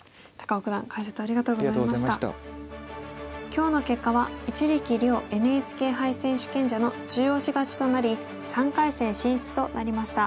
今日の結果は一力遼ＮＨＫ杯選手権者の中押し勝ちとなり３回戦進出となりました。